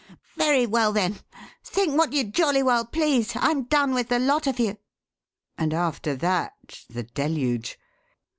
"Very well, then, think what you jolly well please! I'm done with the lot of you!" And after that the Deluge!